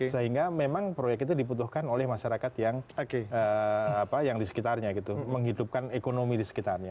sehingga memang proyek itu dibutuhkan oleh masyarakat yang di sekitarnya gitu menghidupkan ekonomi di sekitarnya